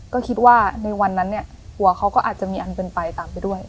ก็คิดว่าในวันนั้นเนี่ยหัวเขาก็อาจจะมีอันเป็นไปตามไปด้วย